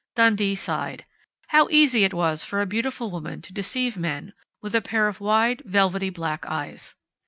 Dundee sighed. How easy it was for a beautiful woman to deceive men with a pair of wide, velvety black eyes!